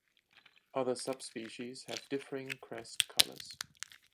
Other subspecies have differing crest colours.